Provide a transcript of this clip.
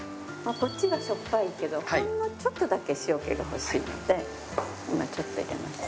こっちがしょっぱいけどほんのちょっとだけ塩気が欲しいので今ちょっと入れましたね。